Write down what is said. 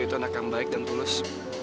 makan baik dan tulus